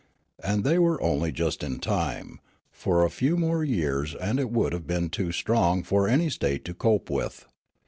And they were only just in time ; a few more years and it would have been too strong for any state to cope with.